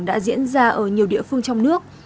đã diễn ra ở nhiều địa phương trong nước